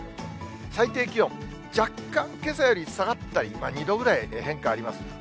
最低気温、若干、けさより下がったり、２度ぐらい変化あります。